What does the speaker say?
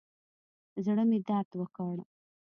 زړه مې درد وکړ.